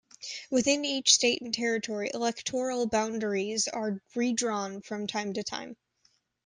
Within each state and territory, electoral boundaries are redrawn from time to time.